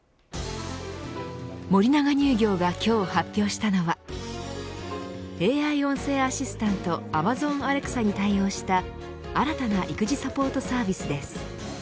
森永乳業が今日発表したのはＡＩ音声アシスタントアマゾンアレクサに対応した新たな育児サポートサービスです。